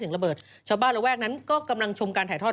ซึ่งตอน๕โมง๔๕นะฮะทางหน่วยซิวได้มีการยุติการค้นหาที่